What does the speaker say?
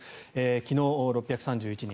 昨日、６３１人。